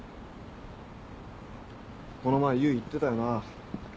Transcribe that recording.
この前唯言ってたよな。